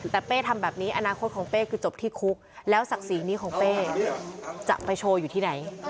แต่เป้ทำแบบนี้อนาคตของเป้คือจบที่คุกแล้วศักดิ์ศรีนี้ของเป้จะไปโชว์อยู่ที่ไหน